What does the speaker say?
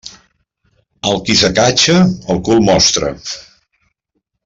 El qui s'acatxa, el cul mostra.